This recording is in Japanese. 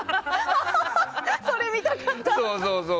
それ見たかった。